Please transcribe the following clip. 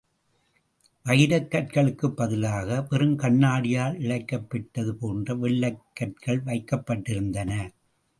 வைரக் கற்களுக்குப் பதிலாக, வெறும் கண்ணாடியால் இழைக்கப் பெற்றது போன்ற வெள்ளைக் கற்கள் வைக்கப்பட்டிருந்தன.